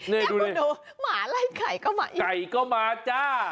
นี่ดูหมาไล่ไก่เข้ามาอีกไก่เข้ามาจ้า